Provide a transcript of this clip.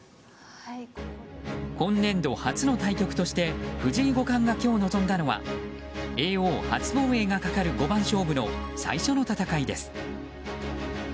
今年度初の対局として藤井五冠が今日臨んだのは叡王初防衛がかかる五番勝負の最初の戦いです。